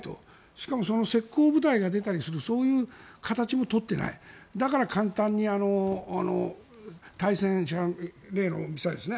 しかも拙攻部隊が出たりするそういう形も取っていないから簡単に対戦車例のミサイルですね。